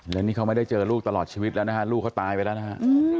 และนี่เขาไม่ได้เจอลูกตลอดชีวิตแล้วนะฮะลูกเขาตายไปแล้วนะฮะ